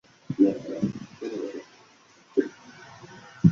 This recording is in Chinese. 成为该国最大的学校。